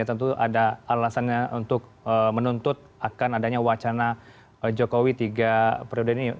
tentu ada alasannya untuk menuntut akan adanya wacana jokowi tiga periode ini